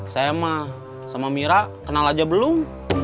saya mah sama mira kenal aja belum